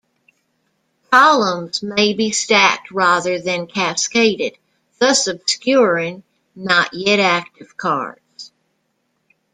Columns may be stacked rather than cascaded, thus obscuring not-yet-active cards.